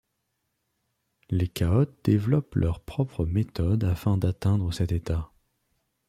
Les chaotes développent leur propres méthodes afin d'atteindre cet état.